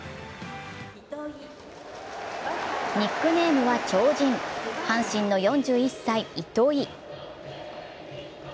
ニックネームは超人、阪神の４１歳、糸井。